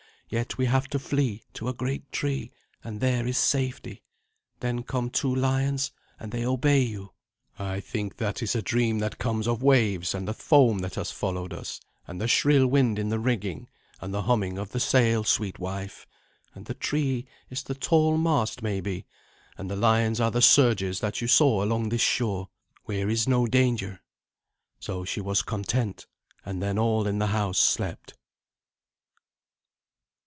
Yet we have to flee to a great tree, and there is safety. Then come two lions, and they obey you." "I think that is a dream that comes of waves, and the foam that has followed us, and the shrill wind in the rigging, and the humming of the sail, sweet wife; and the tree is the tall mast maybe, and the lions are the surges that you saw along this shore, where is no danger." So she was content; and then all in the house slept.